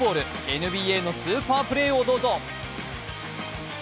ＮＢＡのスーパープレーをどうぞ。